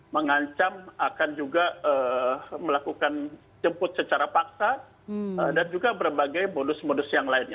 mengancam akan juga melakukan jemput secara paksa dan juga berbagai modus modus yang lainnya